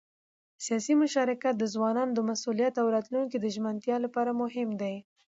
سیاسي مشارکت د ځوانانو د مسؤلیت او راتلونکي د ژمنتیا لپاره مهم دی